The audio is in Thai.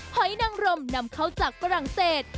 หอยนังรมนำเข้าจากฝรั่งเศส